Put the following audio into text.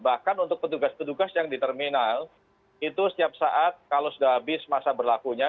bahkan untuk petugas petugas yang di terminal itu setiap saat kalau sudah habis masa berlakunya